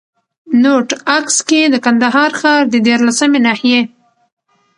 نوټ: عکس کي د کندهار ښار د ديارلسمي ناحيې